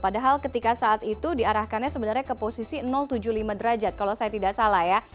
padahal ketika saat itu diarahkannya sebenarnya ke posisi tujuh puluh lima derajat kalau saya tidak salah ya